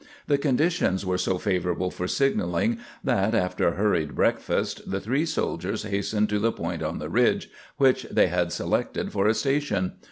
The conditions were so favorable for signaling that, after a hurried breakfast, the three soldiers hastened to the point on the ridge which they had selected for a station.